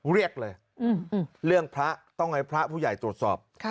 เรียกเลยเรื่องพระต้องให้พระผู้ใหญ่ตรวจสอบ